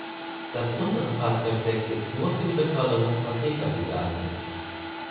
Das untere Fahrzeugdeck ist nur für die Beförderung von Pkw geeignet.